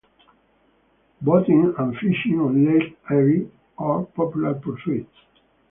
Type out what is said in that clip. Boating and fishing on Lake Erie are popular pursuits.